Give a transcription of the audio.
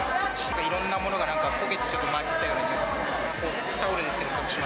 いろんなものがなんか焦げてちょっと混じったような臭い。